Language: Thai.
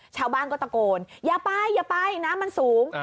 ชาวบ้านก็ตะโกนยะไปนะมันสูง